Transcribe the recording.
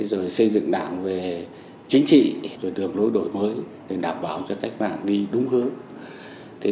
rồi xây dựng đảng về chính trị rồi đường lối đổi mới để đảm bảo cho cách mạng đi đúng hướng